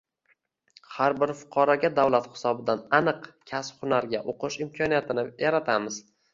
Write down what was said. har bir fuqaroga davlat hisobidan aniq kasb-hunarga o‘qish imkoniyatini yaratamiz.